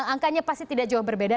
angkanya pasti tidak jauh berbeda